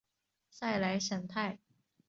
塞莱什泰。